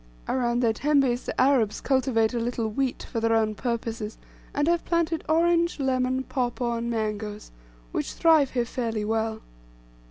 Around their tembes the Arabs cultivate a little wheat for their own purposes, and have planted orange, lemon, papaw, and mangoes, which thrive here fairly well.